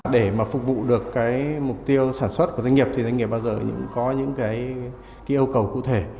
để mà phục vụ được cái mục tiêu sản xuất của doanh nghiệp thì doanh nghiệp bao giờ cũng có những cái yêu cầu cụ thể